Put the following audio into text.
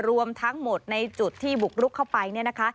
รวมทั้งหมดในจุดที่บุกรุกเข้าไป